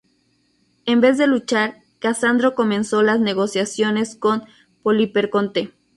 En vez de luchar, Casandro comenzó las negociaciones con Poliperconte.